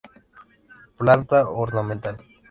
Planta ornamental.